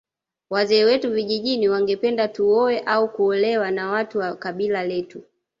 Wazee wetu vijijini wangependa tuoe au kuolewa na watu wa kabila letu